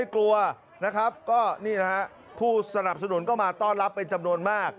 ก็พูดสนับสนุนก็มาต้อนรับเป็นจำนวนมาก